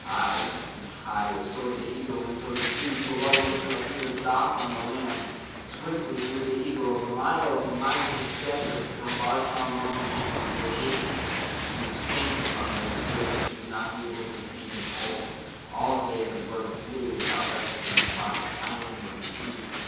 Higher and higher soared the eagle until the trees below looked like mere dots on the land. Swiftly flew the eagle over miles and miles of desert until Bar Shalmon began to feel giddy. He was faint with hunger and feared that he would not be able to retain his hold. All day the bird flew without resting, across island and sea.